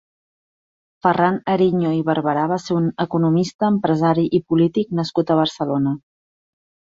Ferran Ariño i Barberà va ser un economista, empresari i polític nascut a Barcelona.